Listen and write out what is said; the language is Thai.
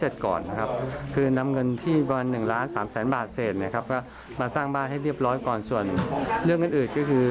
ตอนนี้คือต้องให้สร้างบ้านให้เสร็จก่อน